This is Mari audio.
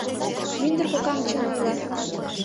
Мӱндыр кокам чын ойла.